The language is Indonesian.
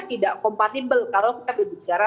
tidak kompatibel kalau kita berbicara